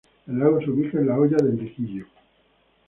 El lago se ubica en la Hoya de Enriquillo.